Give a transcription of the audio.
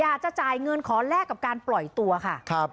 อยากจะจ่ายเงินขอแลกกับการปล่อยตัวค่ะ